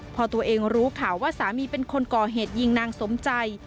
พอตัวเองรู้ข่าวว่าสามีเป็นคนก่อเหตุยิงนางสมใจ